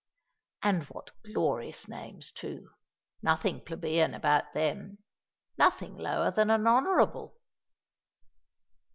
And what glorious names, too:—nothing plebeian about them—nothing lower than an Honourable!